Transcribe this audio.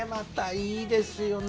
いいですよね